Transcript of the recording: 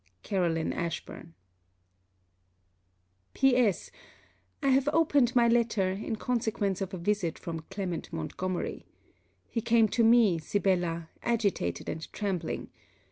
CAROLINE ASHBURN P.S. I have opened my letter, in consequence of a visit from Clement Montgomery. He came to me, Sibella, agitated and trembling.